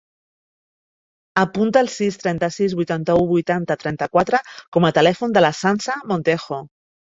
Apunta el sis, trenta-sis, vuitanta-u, vuitanta, trenta-quatre com a telèfon de la Sança Montejo.